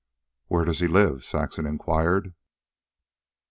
"Where does he live?" Saxon inquired.